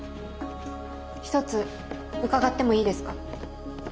一つ伺ってもいいですか？